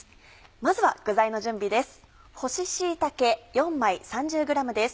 まずは具材の準備です。